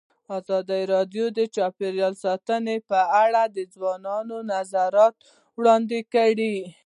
ازادي راډیو د چاپیریال ساتنه په اړه د ځوانانو نظریات وړاندې کړي.